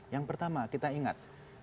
yang pertama kita ingat